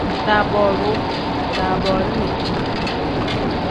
Daabooruu pl: daaboorini n.